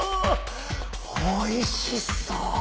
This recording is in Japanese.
おいしそう！